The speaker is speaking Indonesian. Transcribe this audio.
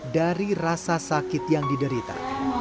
dari rasa sakit yang diderita